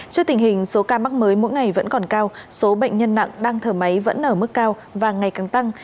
trước tình hình số ca mắc mới mỗi ngày vẫn còn cao số bệnh nhân nặng đang thở máy vẫn ở mức cao và ngày càng tăng